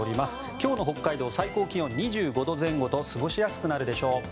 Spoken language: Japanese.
今日の北海道最高気温２５度前後と過ごしやすくなるでしょう。